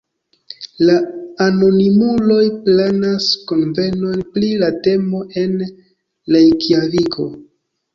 La anonimuloj planas kunvenon pri la temo en Rejkjaviko.